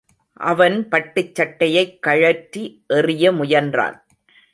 அவன் பட்டுச் சட்டையைக் கழற்றி எறியமுயன்றான்.